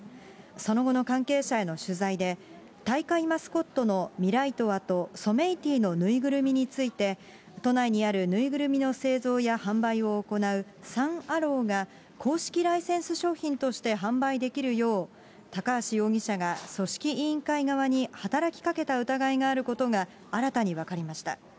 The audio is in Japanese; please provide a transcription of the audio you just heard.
その後の関係者への取材で、大会マスコットのミライトワとソメイティの縫いぐるみについて、都内にある縫いぐるみの製造や販売を行う、サン・アローが、公式ライセンス商品として販売できるよう、高橋容疑者が組織委員会側に働きかけた疑いがあることが新たに分かりました。